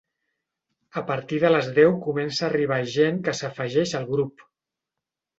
A partir de les deu comença a arribar gent que s'afegeix al grup.